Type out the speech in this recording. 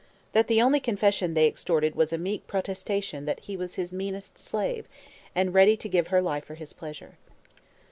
] that the only confession they extorted was a meek protestation that she was "his meanest slave, and ready to give her life for his pleasure."